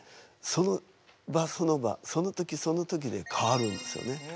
その場その場その時その時で変わるんですよね。